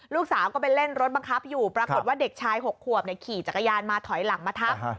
ลูกสาวก็ไปเล่นรถบังคับอยู่ปรากฏว่าเด็กชาย๖ขวบขี่จักรยานมาถอยหลังมาทับ